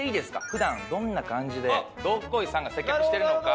普段どんな感じでどっこいさんが接客してるのか。